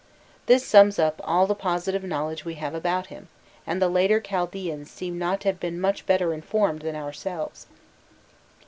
This sums up all the positive knowledge we have about him, and the later Chaldseans seem not to have been much better informed than ourselves.